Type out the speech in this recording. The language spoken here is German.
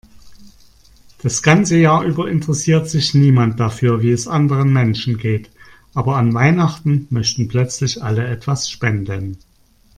Das ganze Jahr über interessiert sich niemand dafür, wie es anderen Menschen geht, aber an Weihnachten möchten plötzlich alle etwas spenden.